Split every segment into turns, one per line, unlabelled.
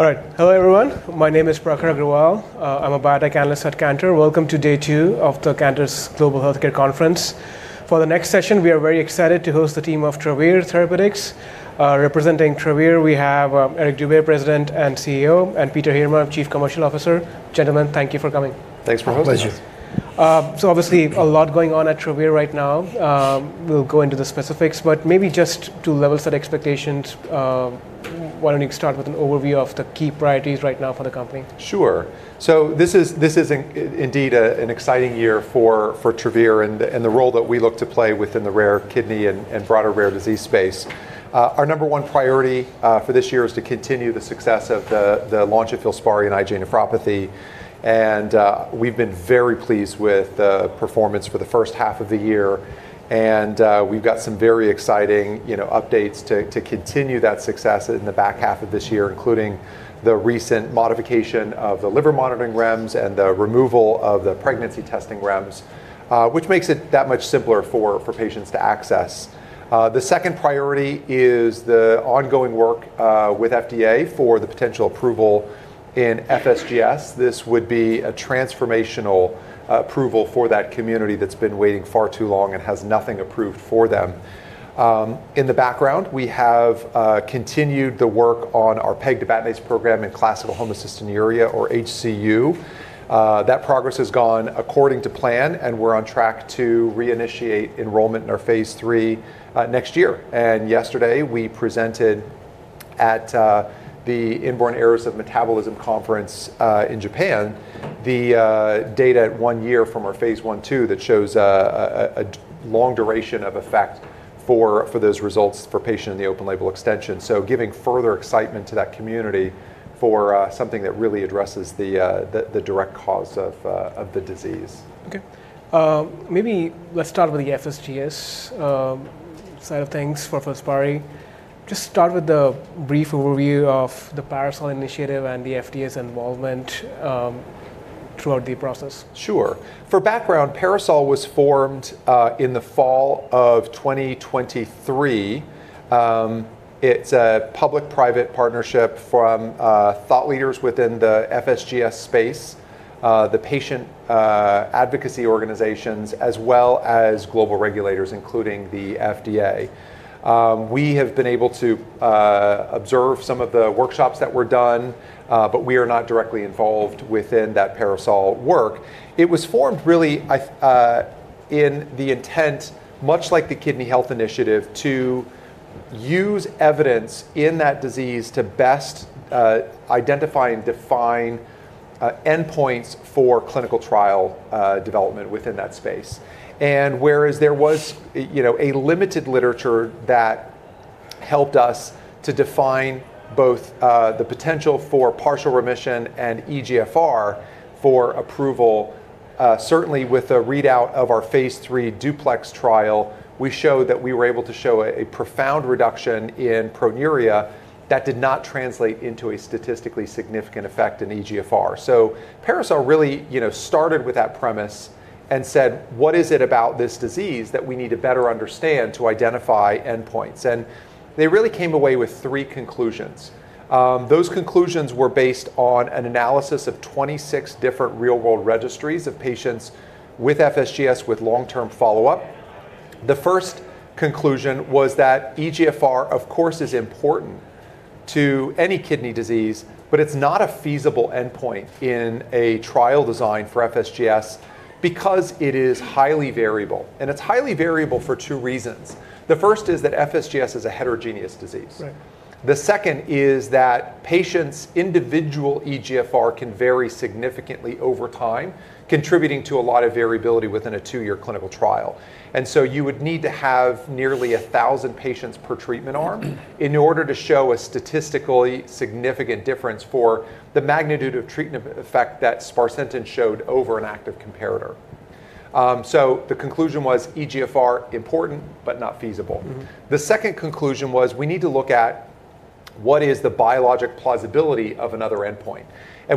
All right. Hello, everyone. My name is Prakhar Agrawal. I'm a Biotech Analyst at Cantor. Welcome to day two of Cantor's Global Healthcare Conference. For the next session, we are very excited to host the team of Travere Therapeutics. Representing Travere, we have Eric Dube, President and CEO, and Peter Heerma, Chief Commercial Officer. Gentlemen, thank you for coming.
Thanks for having us.
Obviously, a lot going on at Travere right now. We'll go into the specifics, but maybe just to level-set expectations, why don't you start with an overview of the key priorities right now for the company?
Sure. This is indeed an exciting year for Travere and the role that we look to play within the rare kidney and broader rare disease space. Our number one priority for this year is to continue the success of the launch of FILSPARI in IgA nephropathy. We've been very pleased with the performance for the first half of the year, and we've got some very exciting updates to continue that success in the back half of this year, including the recent modification of the liver monitoring REMS and the removal of the pregnancy testing REMS, which makes it that much simpler for patients to access. The second priority is the ongoing work with FDA for the potential approval in FSGS. This would be a transformational approval for that community that's been waiting far too long and has nothing approved for them. In the background, we have continued the work on our pegtibatinase program in classical homocystinuria, or HCU. That progress has gone according to plan, and we're on track to reinitiate enrollment in our phase III next year. Yesterday, we presented at the Inborn Errors of Metabolism Conference in Japan the data one year from our phase I/II that shows a long duration of effect for those results for patients in the open label extension, giving further excitement to that community for something that really addresses the direct cause of the disease.
OK. Maybe let's start with the FSGS side of things for FILSPARI. Just start with a brief overview of the PARASOL initiative and the FDA's involvement throughout the process.
Sure. For background, P ARASOL was formed in the fall of 2023. It's a public-private partnership from thought leaders within the FSGS space, the patient advocacy organizations, as well as global regulators, including the FDA. We have been able to observe some of the workshops that were done, but we are not directly involved within that PARASOL work. It was formed really with the intent, much like the Kidney Health Initiative, to use evidence in that disease to best identify and define clinical endpoints for clinical trial development within that space. Whereas there was a limited literature that helped us to define both the potential for partial remission and eGFR for approval, certainly with a readout of our phase III DUPLEX trial, we showed that we were able to show a profound reduction in proteinuria that did not translate into a statistically significant effect in eGFR. PARASOL really started with that premise and said, what is it about this disease that we need to better understand to identify clinical endpoints? They really came away with three conclusions. Those conclusions were based on an analysis of 26 different real-world registries of patients with FSGS with long-term follow-up. The first conclusion was that eGFR, of course, is important to any kidney disease, but it's not a feasible endpoint in a trial design for FSGS because it is highly variable. It's highly variable for two reasons. The first is that FSGS is a heterogeneous disease. The second is that patients' individual eGFR can vary significantly over time, contributing to a lot of variability within a two-year clinical trial. You would need to have nearly 1,000 patients per treatment arm in order to show a statistically significant difference for the magnitude of treatment effect that sparsentan showed over an active comparator. The conclusion was eGFR is important but not feasible. The second conclusion was we need to look at what is the biologic plausibility of another clinical endpoint.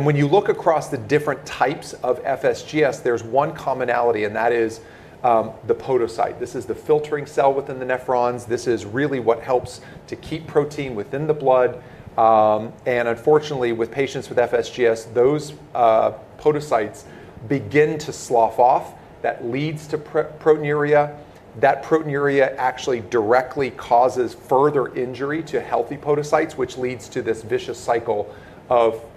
When you look across the different types of FSGS, there's one commonality, and that is the podocyte. This is the filtering cell within the nephrons. This is really what helps to keep protein within the blood. Unfortunately, with patients with FSGS, those podocytes begin to slough off. That leads to proteinuria. That proteinuria actually directly causes further injury to healthy podocytes, which leads to this vicious cycle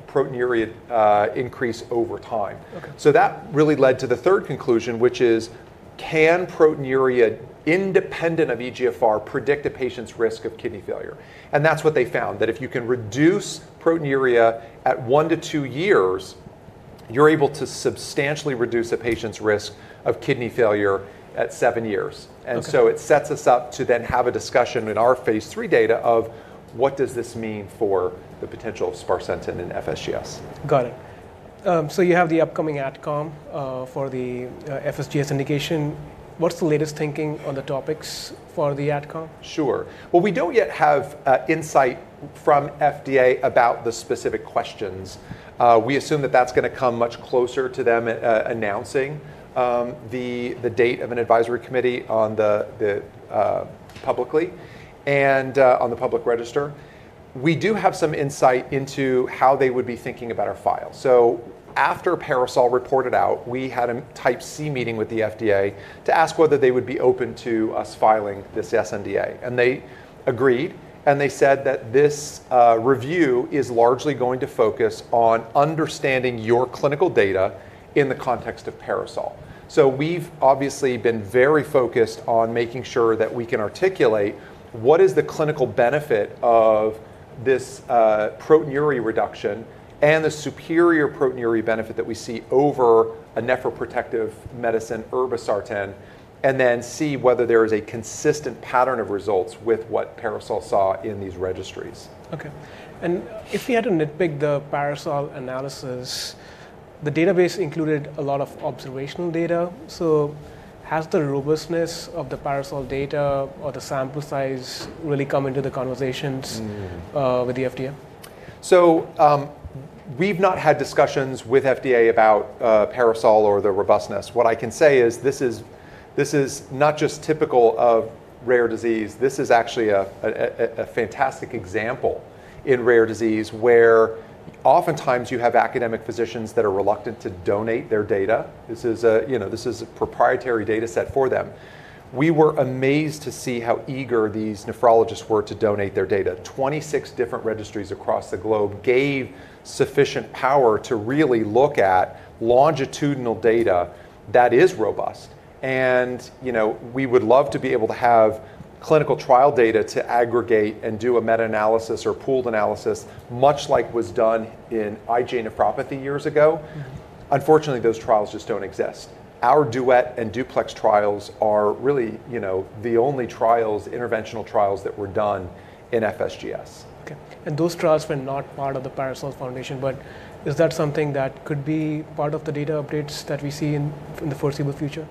of proteinuria increase over time. That really led to the third conclusion, which is, can proteinuria independent of eGFR predict a patient's risk of kidney failure? That's what they found, that if you can reduce proteinuria at one to two years, you're able to substantially reduce a patient's risk of kidney failure at seven years. It sets us up to then have a discussion in our phase III data of what does this mean for the potential of sparsentan in FSGS.
Got it. You have the upcoming AdCom for the FSGS indication. What's the latest thinking on the topics for the AdCom?
Sure. We don't yet have insight from FDA about the specific questions. We assume that's going to come much closer to them announcing the date of an advisory committee publicly and on the public register. We do have some insight into how they would be thinking about our file. After PARASOL initiative reported out, we had a type C meeting with the FDA to ask whether they would be open to us filing this SNDA. They agreed, and they said that this review is largely going to focus on understanding your clinical data in the context of PARASOL. We've obviously been very focused on making sure that we can articulate what is the clinical benefit of this proteinuria reduction and the superior proteinuria benefit that we see over a nephroprotective medicine, irbesartan, and then see whether there is a consistent pattern of results with what PARASOL saw in these registries.
If you had to nitpick the PARASOL analysis, the database included a lot of observational data. Has the robustness of the PARASOL data or the sample size really come into the conversations with the FDA?
We've not had discussions with FDA about PARASOL or the robustness. What I can say is this is not just typical of rare disease. This is actually a fantastic example in rare disease where oftentimes you have academic physicians that are reluctant to donate their data. This is a proprietary data set for them. We were amazed to see how eager these nephrologists were to donate their data. Twenty-six different registries across the globe gave sufficient power to really look at longitudinal data that is robust. We would love to be able to have clinical trial data to aggregate and do a meta-analysis or pooled analysis, much like was done in IgA nephropathy years ago. Unfortunately, those trials just don't exist. Our DUET and DUPLEX trials are really the only interventional trials that were done in FSGS.
OK. Those trials were not part of the PARASOL foundation. Is that something that could be part of the data updates that we see in the foreseeable future?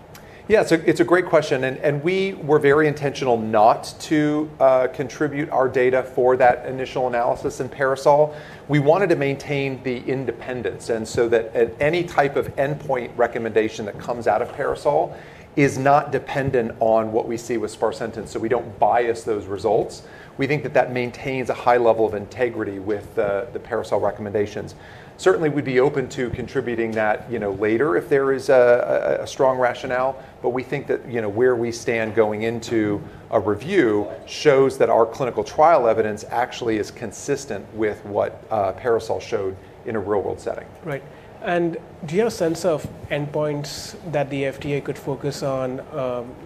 Yes, it's a great question. We were very intentional not to contribute our data for that initial analysis in PARASOL. We wanted to maintain the independence so that any type of endpoint recommendation that comes out of PARASOL is not dependent on what we see with sparsentan. We don't bias those results. We think that maintains a high level of integrity with the PARASOL recommendations. Certainly, we'd be open to contributing that later if there is a strong rationale. We think that where we stand going into a review shows that our clinical trial evidence actually is consistent with what PARASOL showed in a real-world setting.
Right. Do you have a sense of endpoints that the FDA could focus on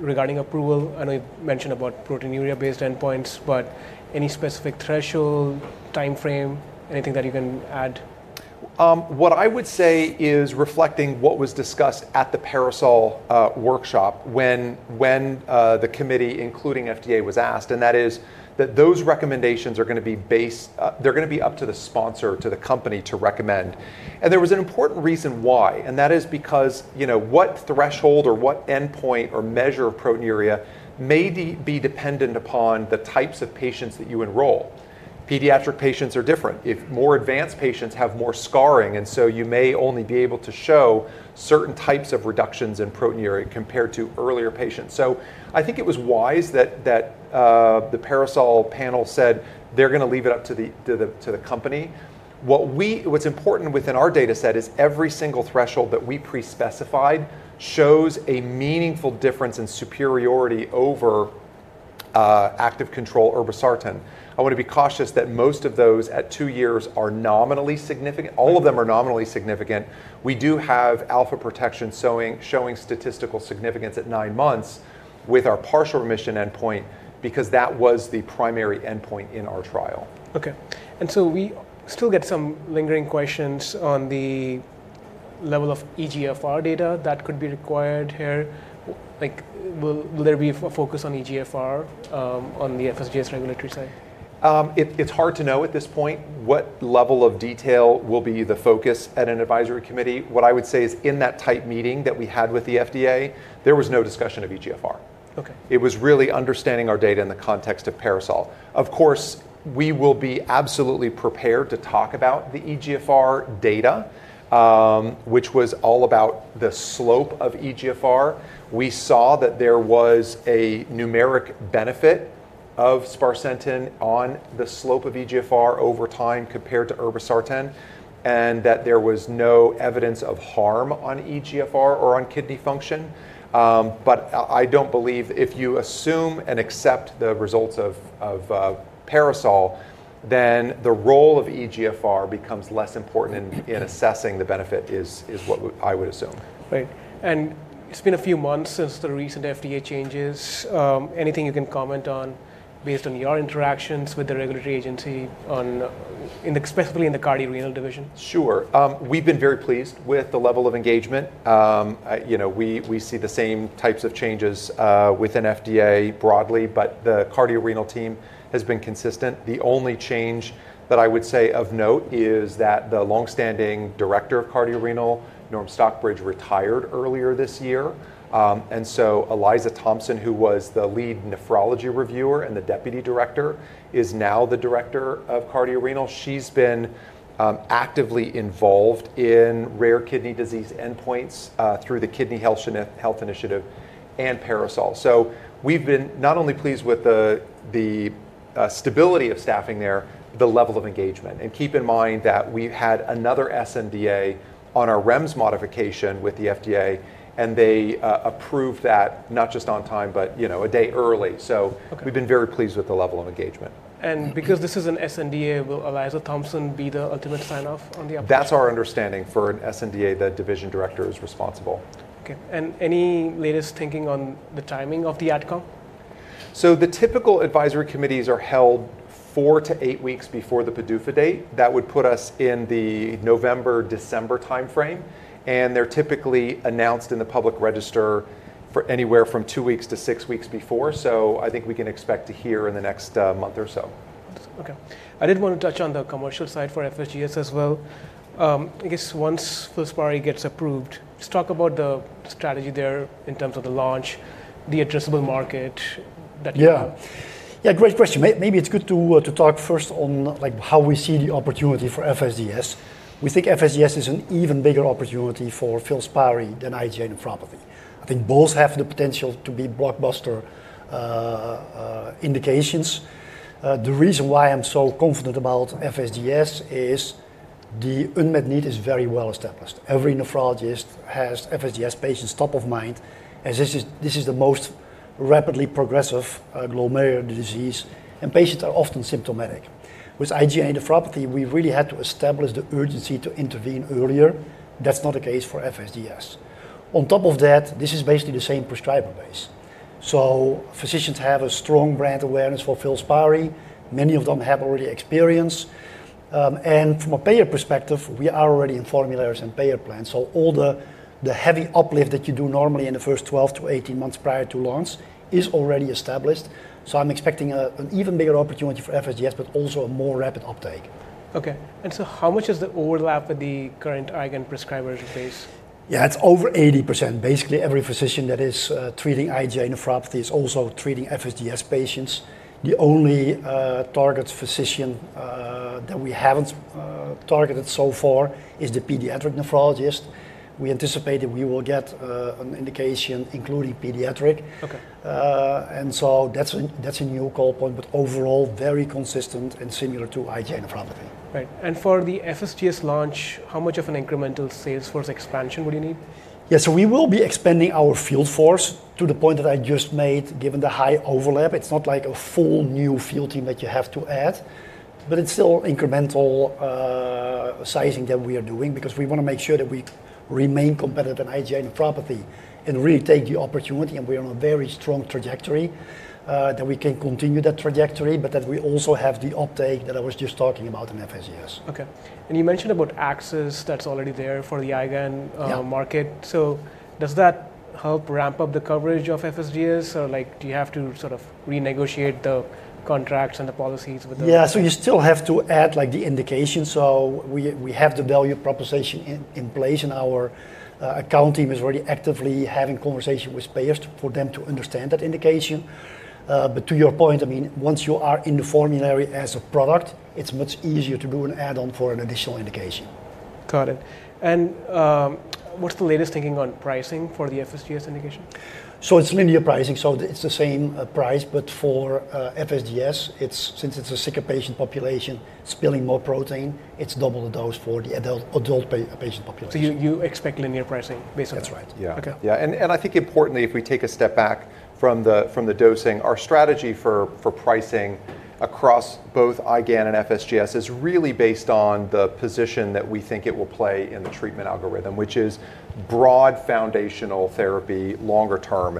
regarding approval? I know you mentioned proteinuria-based endpoints. Any specific threshold, time frame, anything that you can add?
What I would say is reflecting what was discussed at the PARASOL workshop when the committee, including the FDA, was asked. That is that those recommendations are going to be based on—they're going to be up to the sponsor, to the company, to recommend. There was an important reason why. That is because what threshold or what endpoint or measure of proteinuria may be dependent upon the types of patients that you enroll. Pediatric patients are different. More advanced patients have more scarring, and you may only be able to show certain types of reductions in proteinuria compared to earlier patients. I think it was wise that the PARASOL panel said they're going to leave it up to the company. What's important within our data set is every single threshold that we pre-specified shows a meaningful difference in superiority over active control irbesartan. I want to be cautious that most of those at two years are nominally significant. All of them are nominally significant. We do have alpha protection showing statistical significance at nine months with our partial remission endpoint because that was the primary endpoint in our trial.
OK. We still get some lingering questions on the level of eGFR data that could be required here. Will there be a focus on eGFR on the FSGS regulatory side?
It's hard to know at this point what level of detail will be the focus at an advisory committee. What I would say is in that type of meeting that we had with the FDA, there was no discussion of eGFR. It was really understanding our data in the context of PARASOL. Of course, we will be absolutely prepared to talk about the eGFR data, which was all about the slope of eGFR. We saw that there was a numeric benefit of sparsentan on the slope of eGFR over time compared to irbesartan, and that there was no evidence of harm on eGFR or on kidney function. I don't believe if you assume and accept the results of PARASOL, then the role of eGFR becomes less important in assessing the benefit, is what I would assume.
Right. It's been a few months since the recent FDA changes. Anything you can comment on based on your interactions with the regulatory agency, specifically in the Cardiorenal Division?
Sure. We've been very pleased with the level of engagement. We see the same types of changes within FDA broadly. The Cardiorenal team has been consistent. The only change that I would say of note is that the longstanding Director of Cardiorenal, Norm Stockbridge, retired earlier this year. Aliza Thompson, who was the lead nephrology reviewer and the Deputy Director, is now the Director of Cardiorenal. She's been actively involved in rare kidney disease endpoints through the Kidney Health Initiative and PARASOL. We've been not only pleased with the stability of staffing there, the level of engagement. Keep in mind that we've had another SNDA on our REMS modification with the FDA, and they approved that not just on time, but a day early. We've been very pleased with the level of engagement.
Because this is an SNDA, will Aliza Thompson be the ultimate sign-off on the?
That's our understanding. For an SNDA, the Division Director is responsible.
OK. Any latest thinking on the timing of the AdCom?
The typical advisory committees are held four to eight weeks before the PDUFA date. That would put us in the November, December time frame. They're typically announced in the public register anywhere from two weeks to six weeks before. I think we can expect to hear in the next month or so.
OK. I did want to touch on the commercial side for FSGS as well. I guess once FILSPARI gets approved, let's talk about the strategy there in terms of the launch, the addressable market that you have.
Yeah. Yeah, great question. Maybe it's good to talk first on how we see the opportunity for FSGS. We think FSGS is an even bigger opportunity for FILSPARI than IgA nephropathy. I think both have the potential to be blockbuster indications. The reason why I'm so confident about FSGS is the unmet need is very well established. Every nephrologist has FSGS patients top of mind, as this is the most rapidly progressive glomerular disease. Patients are often symptomatic. With IgA nephropathy, we really had to establish the urgency to intervene earlier. That's not the case for FSGS. On top of that, this is basically the same prescriber base. Physicians have a strong brand awareness for FILSPARI. Many of them have already experienced. From a payer perspective, we are already in formularies and payer plans. All the heavy uplift that you do normally in the first 12 to 18 months prior to launch is already established. I'm expecting an even bigger opportunity for FSGS, but also a more rapid uptake.
OK. How much is the overlap with the current prescribers we face?
Yeah, it's over 80%. Basically, every physician that is treating IgA nephropathy is also treating FSGS patients. The only target physician that we haven't targeted so far is the pediatric nephrologist. We anticipate that we will get an indication including pediatric, and that's a new call point. Overall, very consistent and similar to IgA nephropathy.
Right. For the FSGS launch, how much of an incremental sales force expansion will you need?
Yes, we will be expanding our field force to the point that I just made, given the high overlap. It's not like a full new field team that you have to add, but it's still incremental sizing that we are doing because we want to make sure that we remain competitive in IgA nephropathy and really take the opportunity. We are on a very strong trajectory, that we can continue that trajectory, but that we also have the uptake that I was just talking about in FSGS.
OK. You mentioned about access that's already there for the IgAN market. Does that help ramp up the coverage of FSGS, or do you have to sort of renegotiate the contracts and the policies with them?
You still have to add the indication. We have the value proposition in place, and our account team is already actively having conversations with payers for them to understand that indication. To your point, once you are in the formulary as a product, it's much easier to do an add-on for an additional indication.
Got it. What's the latest thinking on pricing for the FSGS indication?
It is linear pricing. It is the same price. For FSGS, since it is a sicker patient population spilling more protein, it is double the dose for the adult patient population.
You expect linear pricing based on that?
That's right. Yeah.
If we take a step back from the dosing, our strategy for pricing across both IgAN and FSGS is really based on the position that we think it will play in the treatment algorithm, which is broad foundational therapy longer term.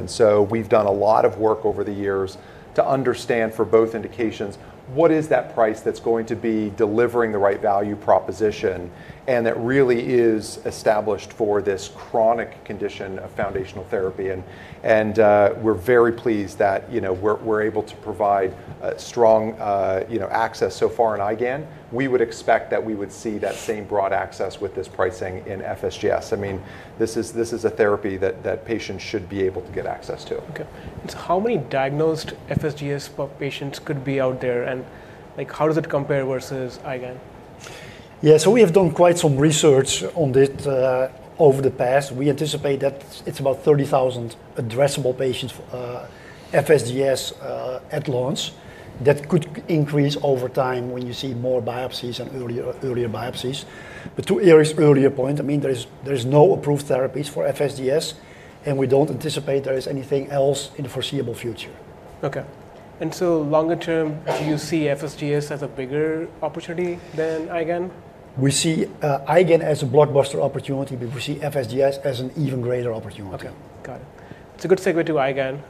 We've done a lot of work over the years to understand for both indications, what is that price that's going to be delivering the right value proposition? That really is established for this chronic condition of foundational therapy. We're very pleased that we're able to provide strong access so far in IgAN. We would expect that we would see that same broad access with this pricing in FSGS. This is a therapy that patients should be able to get access to.
OK. How many diagnosed FSGS patients could be out there? How does it compare versus IgAN?
Yeah, we have done quite some research on it over the past. We anticipate that it's about 30,000 addressable patients for FSGS at launch, and that could increase over time when you see more biopsies and earlier biopsies. To Eric's earlier point, there are no approved therapies for FSGS. We don't anticipate there is anything else in the foreseeable future.
OK. Longer term, do you see FSGS as a bigger opportunity than IgAN?
We see IgAN as a blockbuster opportunity, but we see FSGS as an even greater opportunity.
OK. Got it. It's a good segue to IgAN.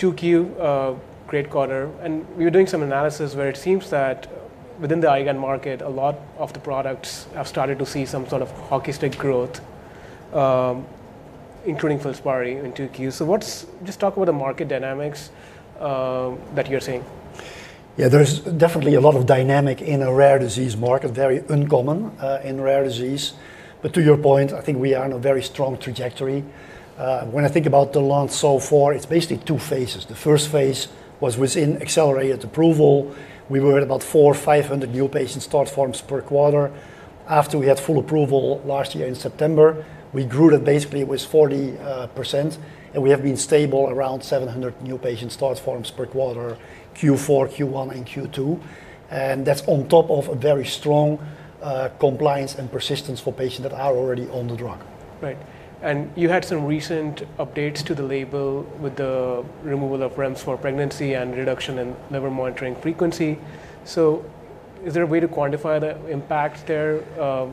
2Q, great quarter. We were doing some analysis where it seems that within the IgAN market, a lot of the products have started to see some sort of hockey stick growth, including FILSPARI in 2Q. Let's just talk about the market dynamics that you're seeing.
Yeah, there is definitely a lot of dynamic in a rare disease market, very uncommon in rare disease. To your point, I think we are on a very strong trajectory. When I think about the launch so far, it's basically two phases. The first phase was within accelerated approval. We were at about 400, 500 new patient start forms per quarter. After we had full approval last year in September, we grew that basically with 40%. We have been stable around 700 new patient start forms per quarter Q4, Q1, and Q2. That's on top of a very strong compliance and persistence for patients that are already on the drug.
Right. You had some recent updates to the label with the removal of REMS for pregnancy and reduction in liver monitoring frequency. Is there a way to quantify the impact there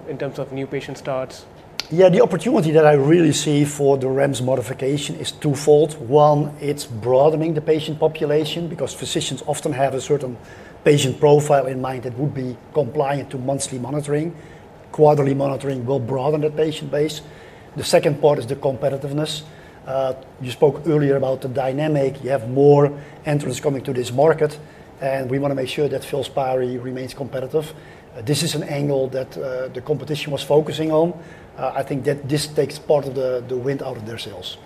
in terms of new patient starts?
Yeah, the opportunity that I really see for the REMS program modification is twofold. One, it's broadening the patient population because physicians often have a certain patient profile in mind that would be compliant to monthly monitoring. Quarterly monitoring will broaden that patient base. The second part is the competitiveness. You spoke earlier about the dynamic. You have more entrants coming to this market, and we want to make sure that FILSPARI remains competitive. This is an angle that the competition was focusing on. I think that this takes part of the wind out of their sails.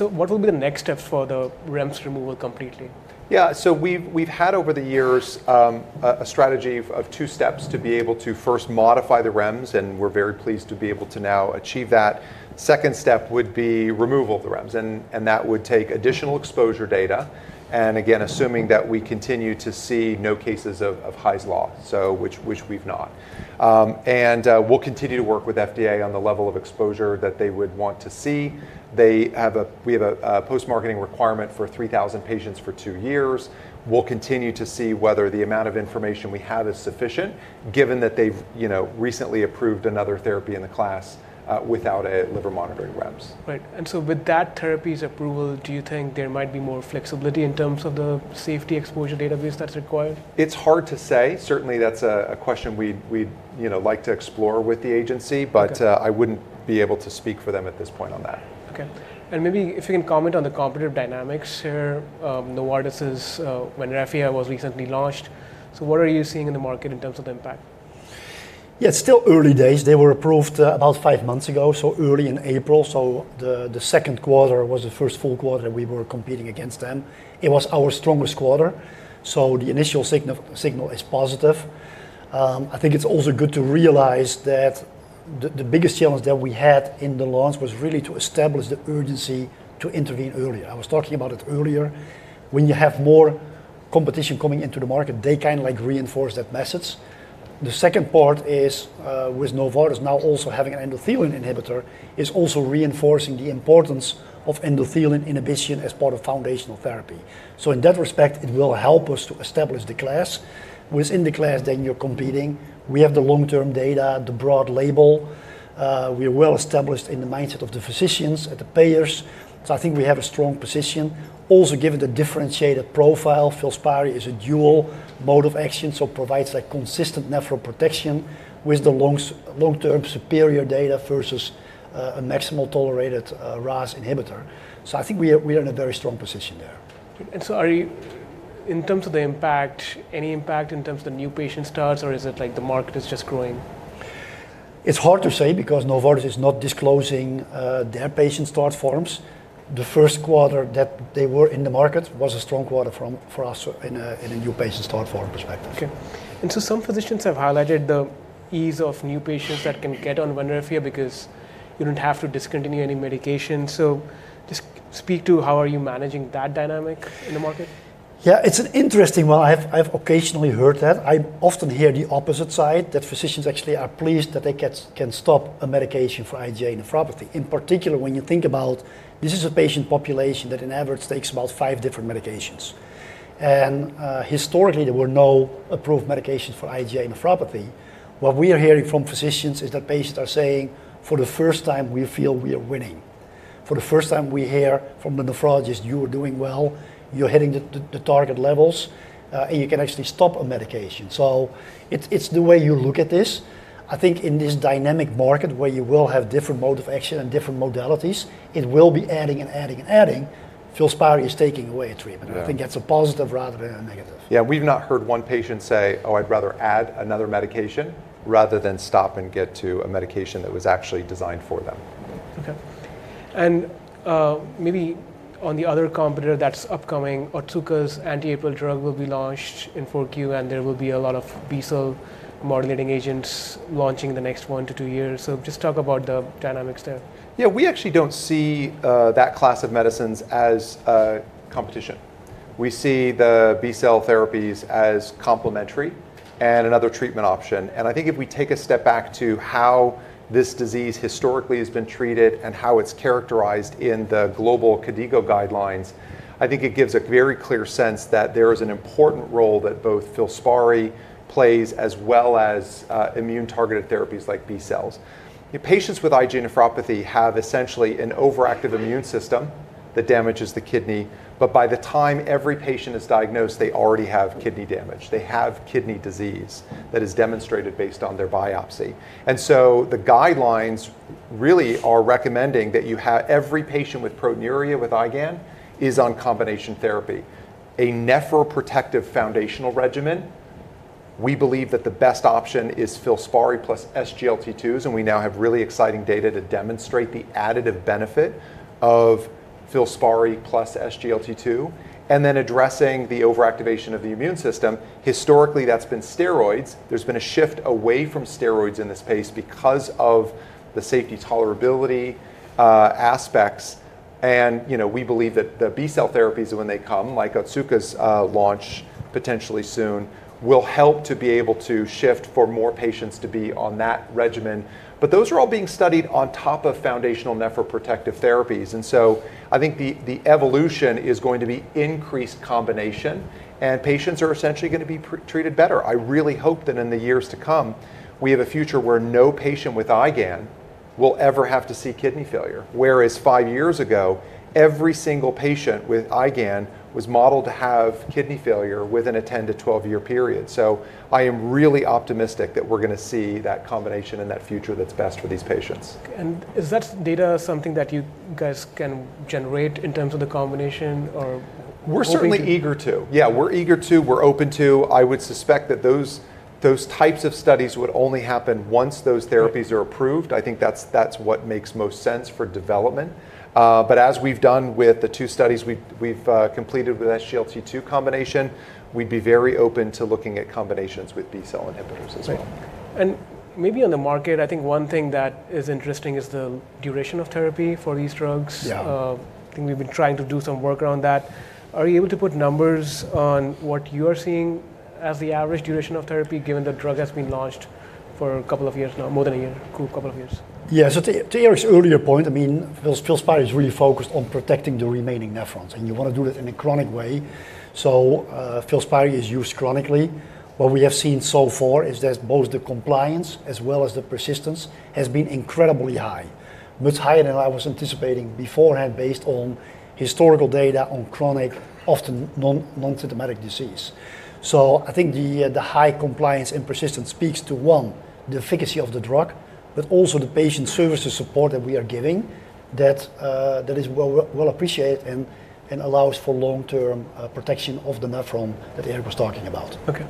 What will be the next step for the REMS removal completely?
Yeah, so we've had over the years a strategy of two steps to be able to first modify the REMS. We're very pleased to be able to now achieve that. The second step would be removal of the REMS. That would take additional exposure data. Again, assuming that we continue to see no cases of Hy’s Law, which we've not, we'll continue to work with FDA on the level of exposure that they would want to see. We have a post-marketing requirement for 3,000 patients for two years. We'll continue to see whether the amount of information we have is sufficient, given that they've recently approved another therapy in the class without a liver monitoring REMS.
Right. With that therapy's approval, do you think there might be more flexibility in terms of the safety exposure database that's required?
It's hard to say. Certainly, that's a question we'd like to explore with the agency. I wouldn't be able to speak for them at this point on that.
OK. Maybe if you can comment on the competitive dynamics here, Novartis' Vanrafia was recently launched. What are you seeing in the market in terms of the impact?
Yeah, still early days. They were approved about five months ago, so early in April. The second quarter was the first full quarter that we were competing against them. It was our strongest quarter. The initial signal is positive. I think it's also good to realize that the biggest challenge that we had in the launch was really to establish the urgency to intervene earlier. I was talking about it earlier. When you have more competition coming into the market, they kind of reinforce that message. The second part is with Novartis now also having an endothelin inhibitor, it's also reinforcing the importance of endothelin inhibition as part of foundational therapy. In that respect, it will help us to establish the class. Within the class, then you're competing. We have the long-term data, the broad label. We're well established in the mindset of the physicians and the payers. I think we have a strong position. Also, given the differentiated profile, FILSPARI is a dual mode of action. It provides that consistent nephroprotection with the long-term superior data versus a maximal tolerated RAS inhibitor. I think we are in a very strong position there.
In terms of the impact, any impact in terms of the new patient starts? Is it like the market is just growing?
It's hard to say because Novartis is not disclosing their patient start forms. The first quarter that they were in the market was a strong quarter for us from a new patient start form perspective.
OK. Some physicians have highlighted the ease of new patients that can get on Vanrafia because you don't have to discontinue any medication. Please speak to how you are managing that dynamic in the market.
Yeah, it's an interesting one. I've occasionally heard that. I often hear the opposite side, that physicians actually are pleased that they can stop a medication for IgA nephropathy. In particular, when you think about this, this is a patient population that on average takes about five different medications. Historically, there were no approved medications for IgA nephropathy. What we are hearing from physicians is that patients are saying, for the first time, we feel we are winning. For the first time, we hear from the nephrologist, you are doing well. You're hitting the target levels, and you can actually stop a medication. It's the way you look at this. I think in this dynamic market where you will have different modes of action and different modalities, it will be adding and adding and adding. FILSPARI is taking away a treatment. I think that's a positive rather than a negative.
Yeah, we've not heard one patient say, oh, I'd rather add another medication rather than stop and get to a medication that was actually designed for them.
OK. Maybe on the other competitor that's upcoming, Otsuka's anti-APRIL drug will be launched in 4Q. There will be a lot of B cell modulating agents launching in the next one to two years. Just talk about the dynamics there.
Yeah, we actually don't see that class of medicines as a competition. We see the B cell therapies as complementary and another treatment option. I think if we take a step back to how this disease historically has been treated and how it's characterized in the global KDIGO guidelines, it gives a very clear sense that there is an important role that both FILSPARI plays as well as immune-targeted therapies like B cells. Patients with IgA nephropathy have essentially an overactive immune system that damages the kidney. By the time every patient is diagnosed, they already have kidney damage. They have kidney disease that is demonstrated based on their biopsy. The guidelines really are recommending that every patient with proteinuria with IgAN is on combination therapy. A nephroprotective foundational regimen, we believe that the best option is FILSPARI plus SGLT2s. We now have really exciting data to demonstrate the additive benefit of FILSPARI plus SGLT2. Addressing the overactivation of the immune system, historically, that's been steroids. There's been a shift away from steroids in this space because of the safety tolerability aspects. We believe that the B cell therapies, when they come, like Otsuka's launch potentially soon, will help to be able to shift for more patients to be on that regimen. Those are all being studied on top of foundational nephroprotective therapies. I think the evolution is going to be increased combination. Patients are essentially going to be treated better. I really hope that in the years to come, we have a future where no patient with IgAN will ever have to see kidney failure. Whereas five years ago, every single patient with IgAN was modeled to have kidney failure within a 10 to 12-year period. I am really optimistic that we're going to see that combination in that future that's best for these patients.
Is that data something that you guys can generate in terms of the combination?
We're certainly eager to. We're eager to. We're open to. I would suspect that those types of studies would only happen once those therapies are approved. I think that's what makes most sense for development. As we've done with the two studies we've completed with SGLT2 combination, we'd be very open to looking at combinations with B cell modulators as well.
Right. Maybe on the market, I think one thing that is interesting is the duration of therapy for these drugs. I think we've been trying to do some work around that. Are you able to put numbers on what you are seeing as the average duration of therapy, given the drug has been launched for a couple of years now, more than a year, a couple of years?
Yeah, to Eric's earlier point, I mean, FILSPARI is really focused on protecting the remaining nephrons. You want to do that in a chronic way. FILSPARI is used chronically. What we have seen so far is that both the compliance as well as the persistence has been incredibly high, much higher than I was anticipating beforehand based on historical data on chronic, often non-symptomatic disease. I think the high compliance and persistence speaks to, one, the efficacy of the drug, but also the patient services support that we are giving that is well appreciated and allows for long-term protection of the nephron that Eric was talking about.
OK.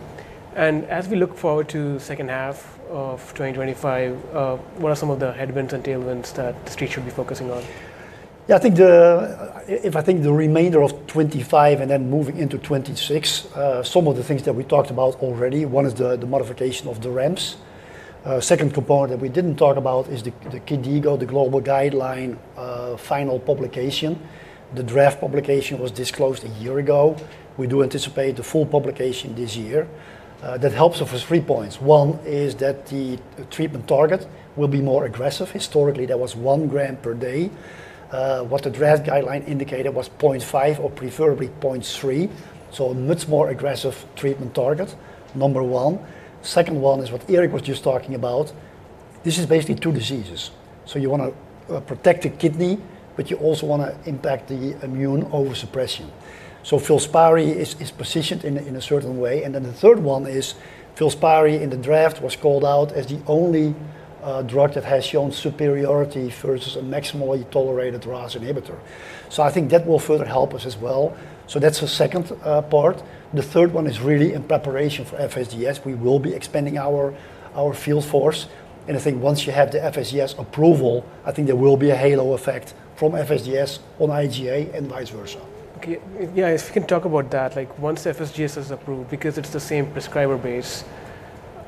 As we look forward to the second half of 2025, what are some of the headwinds and tailwinds that the street should be focusing on?
Yeah, I think the remainder of 2025 and then moving into 2026, some of the things that we talked about already, one is the modification of the REMS program. Second component that we didn't talk about is the KDIGO, the global guideline final publication. The draft publication was disclosed a year ago. We do anticipate the full publication this year. That helps us with three points. One is that the treatment target will be more aggressive. Historically, that was g/day. What the draft guideline indicated was 0.5 g/day or preferably 0.3 g/day. Much more aggressive treatment target, number one. Second one is what Eric was just talking about. This is basically two diseases. You want to protect the kidney, but you also want to impact the immune over-suppression. FILSPARI is positioned in a certain way. The third one is FILSPARI in the draft was called out as the only drug that has shown superiority versus a maximally tolerated RAS inhibitor. I think that will further help us as well. That's the second part. The third one is really in preparation for FSGS. We will be expanding our field force. I think once you have the FSGS approval, there will be a halo effect from FSGS on IgA and vice versa.
OK. Yeah, if you can talk about that, like once FSGS is approved, because it's the same prescriber base,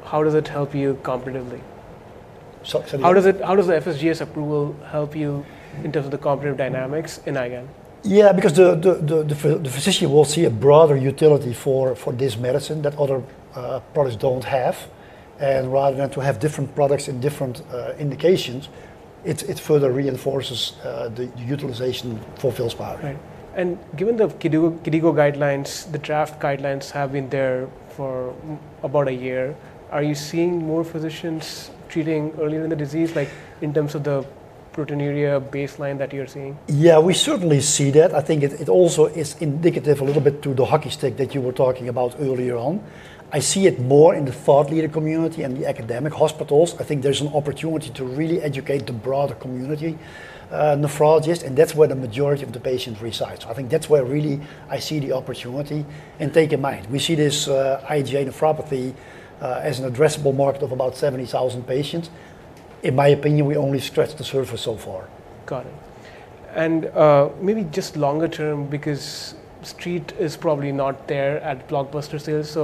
how does it help you competitively? How does the FSGS approval help you in terms of the competitive dynamics in IgAN?
Yeah, because the physician will see a broader utility for this medicine that other products don't have. Rather than have different products in different indications, it further reinforces the utilization for FILSPARI.
Right. Given the KDIGO guidelines, the draft guidelines have been there for about a year, are you seeing more physicians treating earlier in the disease, like in terms of the proteinuria baseline that you're seeing?
Yeah, we certainly see that. I think it also is indicative a little bit to the hockey stick that you were talking about earlier on. I see it more in the thought leader community and the academic hospitals. I think there's an opportunity to really educate the broader community nephrologists. That's where the majority of the patients reside. I think that's where really I see the opportunity. Take in mind, we see this IgA nephropathy as an addressable market of about 70,000 patients. In my opinion, we only scratched the surface so far.
Got it. Maybe just longer term, because the street is probably not there at blockbuster sales.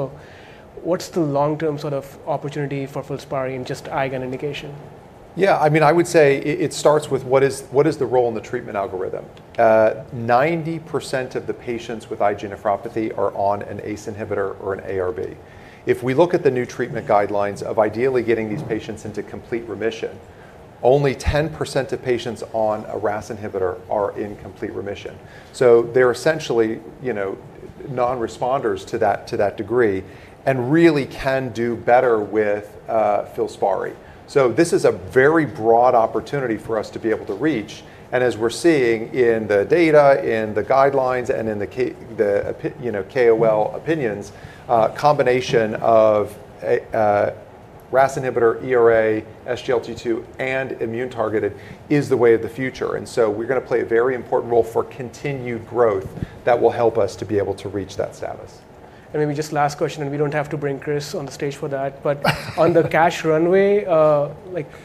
What's the long-term sort of opportunity for FILSPARI and just IgAN indication?
Yeah, I mean, I would say it starts with what is the role in the treatment algorithm. 90% of the patients with IgA nephropathy are on an ACE inhibitor or an ARB. If we look at the new treatment guidelines of ideally getting these patients into complete remission, only 10% of patients on a RAS inhibitor are in complete remission. They're essentially non-responders to that degree and really can do better with FILSPARI. This is a very broad opportunity for us to be able to reach. As we're seeing in the data, in the guidelines, and in the KOL opinions, a combination of RAS inhibitor, ERA, SGLT2, and immune-targeted is the way of the future. We're going to play a very important role for continued growth that will help us to be able to reach that status.
Maybe just last question, we don't have to bring Chris on the stage for that. On the cash runway,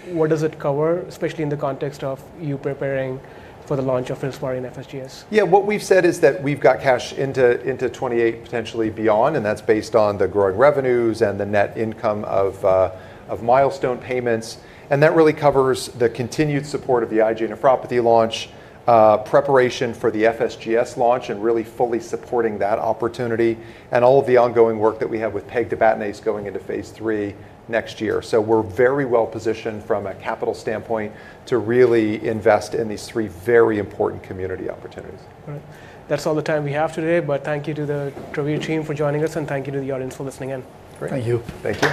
what does it cover, especially in the context of you preparing for the launch of FILSPARI and FSGS?
Yeah, what we've said is that we've got cash into 2028, potentially beyond. That's based on the growing revenues and the net income of milestone payments. That really covers the continued support of the IgA nephropathy launch, preparation for the FSGS launch, and really fully supporting that opportunity, and all of the ongoing work that we have with pegtibatinase going into phase III next year. We're very well positioned from a capital standpoint to really invest in these three very important community opportunities.
All right. That's all the time we have today. Thank you to the Travere team for joining us, and thank you to the audience for listening in.
Thank you.
Thank you.